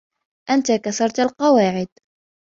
أنتَ كسرتَ القواعد.